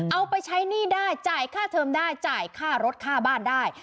เอาไปใช้หนี้ได้จ่ายค่าเทอมได้จ่ายค่ารถค่าบ้านได้